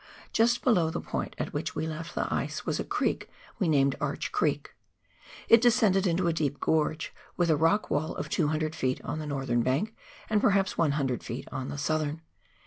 Just below the point at which we left the ice was a creek we named Arch Creek. It descended into a deep gorge, with a rock wall of 200 ft. on the northern bank, and perhaps 100 ft. on the southern.